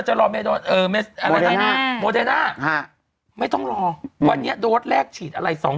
จะรอเออโมเดน่าโมเดน่าไม่ต้องรอวันเนี้ยโดสแรกฉีดอะไรสอง